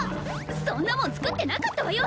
そんなもん作ってなかったわよ